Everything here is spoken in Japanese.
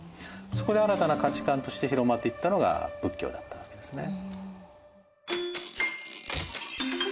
そこで新たな価値観として広まっていったのが仏教だったわけですね。